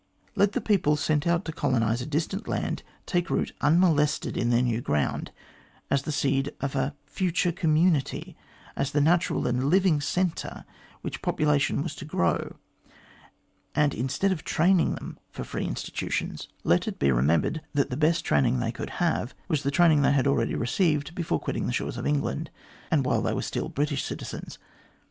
Let the people sent out to colonise a distant land take root unmolested in their new ground as the seed of a future community, as the natural and living centre around which population was to grow ; and instead of training them for free insti o 210 THE GLADSTONE COLONY tutions, let it be remembered that the best training they could have was the training they had already received before quitting the shores of England, and while they were still British citizens.